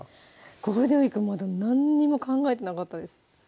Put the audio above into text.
ゴールデンウイークまだ何にも考えてなかったです